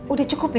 udah cukup ya